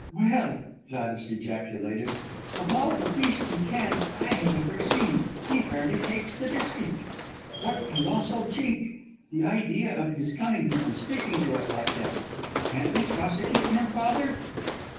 "Well!" Gladys ejaculated, "of all the beastly cads I have ever seen he fairly takes the biscuit. What colossal cheek! The idea of his coming here and speaking to us like that! Can't we prosecute him, Father?"